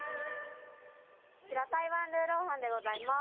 こちら台湾ルーロー飯でございます。